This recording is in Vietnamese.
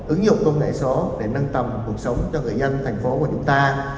ứng dụng công nghệ số để nâng tầm cuộc sống cho người dân thành phố của chúng ta